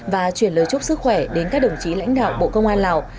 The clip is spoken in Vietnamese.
và chuyển lời chúc sức khỏe đến các đồng chí lãnh đạo bộ công an lào